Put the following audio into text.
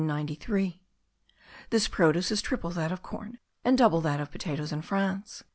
This produce is triple that of corn, and double that of potatoes in France.